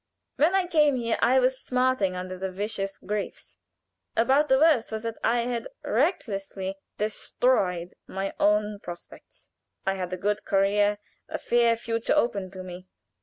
When I came here, I was smarting under various griefs; about the worst was that I had recklessly destroyed my own prospects. I had a good career a fair future open to me.